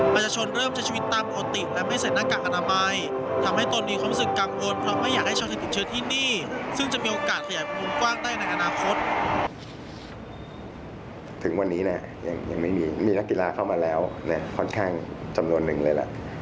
พี่นักกีฬาเค้ามาแล้วค่อนข้างจำนวนหนึ่งเลยละ